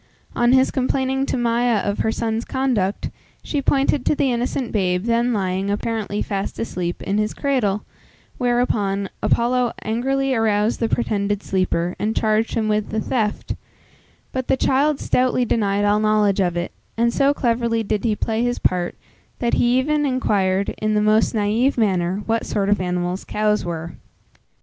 On his complaining to Maia of her son's conduct, she pointed to the innocent babe then lying, apparently fast asleep, in his cradle, whereupon, Apollo angrily aroused the pretended sleeper, and charged him with the theft; but the child stoutly denied all knowledge of it, and so cleverly did he play his part, that he even inquired in the most naive manner what sort of animals cows were.